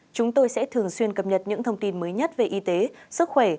chúng tôi sẽ thường xuyên cập nhật những thông tin mới nhất về y tế sức khỏe